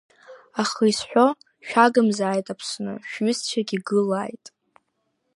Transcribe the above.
Аха изҳәо шәагымзааит Аԥсны, шәҩызцәагьы гылааит.